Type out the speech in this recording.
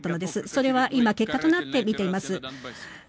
それは今結果となって出ています。